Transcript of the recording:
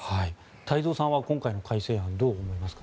太蔵さんは今回の改正案どう思いますか？